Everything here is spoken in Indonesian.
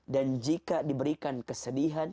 dan jika diberikan kesedihan